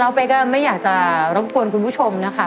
เป๊กก็ไม่อยากจะรบกวนคุณผู้ชมนะคะ